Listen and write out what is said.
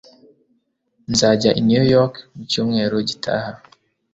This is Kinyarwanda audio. nzajya i new york mu cyumweru gitaha